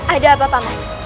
ada apa pak mai